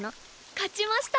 勝ちました！